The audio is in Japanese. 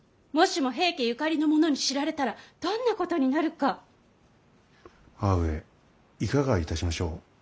もしも平家ゆかりの者に知られたらどんなことになるか。母上いかがいたしましょう。